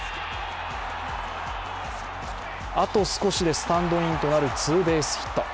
あと少しでスタンドインとなるツーベースヒット。